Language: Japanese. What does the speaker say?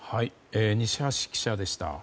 西橋記者でした。